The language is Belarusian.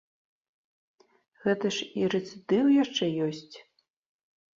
Гэта ж і рэцыдыў яшчэ ёсць.